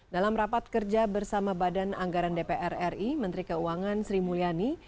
dalam rapat kerja bersama badan anggaran dpr ri menteri keuangan sri mulyani